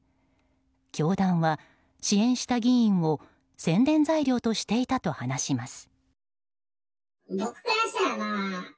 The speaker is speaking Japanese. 教団は、支援した議員を宣伝材料としていたと話します。